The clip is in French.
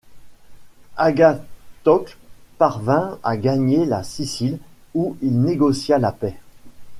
Agathocle parvint à gagner la Sicile où il négocia la paix.